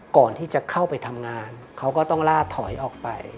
ก่อนที่จะเข้าไปทำงานเขาก็ต้องล่าถอยออกไป